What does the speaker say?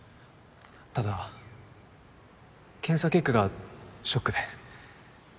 ただ検査結果がショックで